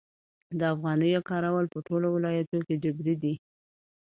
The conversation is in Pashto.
د افغانیو کارول په ټولو ولایتونو کې جبري دي؟